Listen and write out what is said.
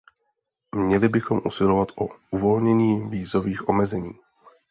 Měli bychom usilovat o uvolnění vízových omezení.